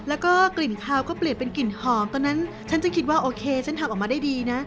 แล้วก็กลิ่นคาวก็เปลี่ยนเป็นกลิ่นหอมตอนนั้นฉันจึงคิดว่าโอเคฉันทำออกมาได้ดีนะ